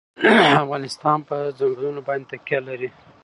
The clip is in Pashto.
افغانستان په چنګلونه باندې تکیه لري.